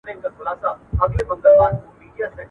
هغه کتاب چي ما پرون ولوست ډېر ګټور و.